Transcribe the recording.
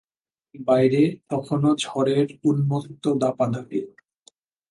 বাইরে তখনো ঝড়ের উন্মত্ত দাপদাপি।